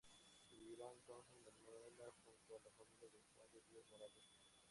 Viviría entonces Manuela junto a la familia de Juan de Dios Morales.